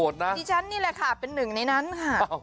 ดิฉันนี่แหละค่ะเป็นหนึ่งในนั้นค่ะ